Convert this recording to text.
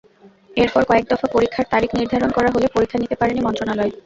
এরপর কয়েক দফা পরীক্ষার তারিখ নির্ধারণ করা হলে পরীক্ষা নিতে পারেনি মন্ত্রণালয়।